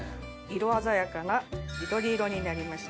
色鮮やかな緑色になりました。